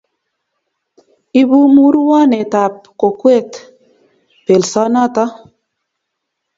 ibu murwonetab kokwet bolsenoto